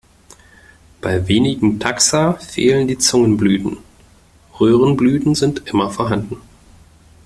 Bei wenigen Taxa fehlen die Zungenblüten, Röhrenblüten sind immer vorhanden.